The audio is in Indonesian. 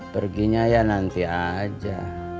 perginya ya nanti aja